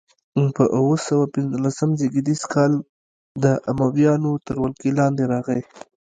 په اووه سوه پنځلسم زېږدیز کال د امویانو تر ولکې لاندې راغي.